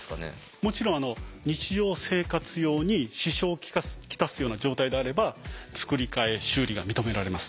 もちろん日常生活用に支障を来すような状態であれば作り替え修理が認められます。